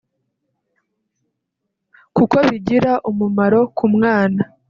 kuko bigira umumaro ku mwana